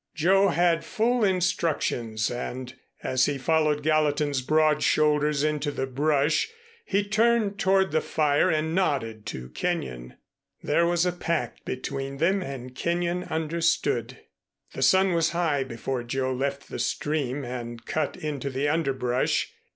Joe had full instructions and as he followed Gallatin's broad shoulders into the brush he turned toward the fire and nodded to Kenyon. There was a pact between them and Kenyon understood. The sun was high before Joe left the stream and cut into the underbrush.